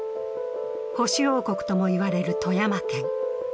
保守王国とも言われる富山県。